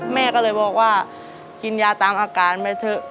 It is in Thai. แม่ก็เลยบอกว่ากินยาตามอาการไปเถอะ